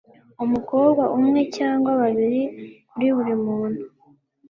umukobwa umwe cyangwa babiri kuri buri muntu